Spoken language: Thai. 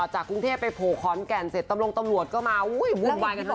จากกรุงเทพไปโผล่ขอนแก่นเสร็จตำรงตำรวจก็มาอุ้ยวุ่งวายกันทั้งจังหวัด